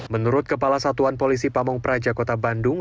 menurut kepala satuan polisi pamung prajakota bandung